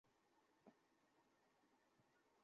টাকা আর সোনা যা বলেছিলাম নিয়ে এসেছিস?